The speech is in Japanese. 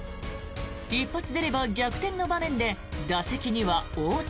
一発出れば逆転の場面で打席には大谷。